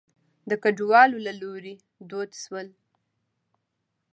د کډوالو له لوري دود شول.